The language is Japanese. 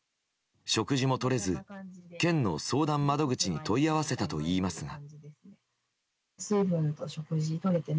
食事もとれず、県の相談窓口に問い合わせたといいますが。